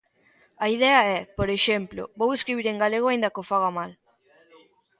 A idea é, por exemplo: vou escribir en galego aínda que o faga mal.